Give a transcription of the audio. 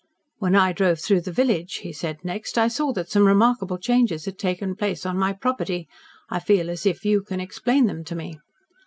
"When I drove through the village," he said next, "I saw that some remarkable changes had taken place on my property. I feel as if you can explain them to me."